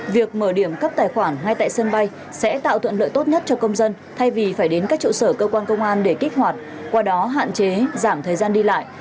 việc mở điểm cấp tài khoản ngay tại sân bay sẽ tạo thuận lợi tốt nhất cho công dân thay vì phải đến các trụ sở cơ quan công an để kích hoạt qua đó hạn chế giảm thời gian đi lại